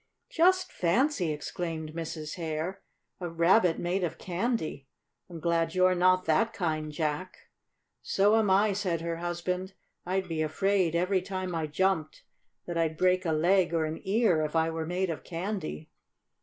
"Just fancy!" exclaimed Mrs. Hare. "A Rabbit made of candy! I'm glad you're not that kind, Jack." "So am I," said her husband. "I'd be afraid, every time I jumped, that I'd break a leg or an ear, if I were made of candy."